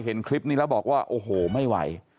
เห็นคลิปนี้แล้วบอกว่าโอ้โหไม่ไหว